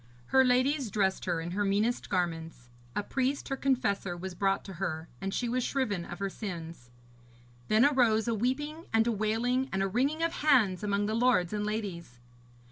Her ladies dressed her in her meanest garments; a priest, her confessor, was brought to her, and she was shriven of her sins. Then arose a weeping and a wailing and a wringing of hands among the lords and ladies.